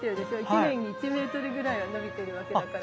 １年に１メートルぐらいは伸びてるわけだから。